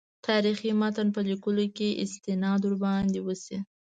تاریخي متن په لیکلو کې استناد ورباندې وشي.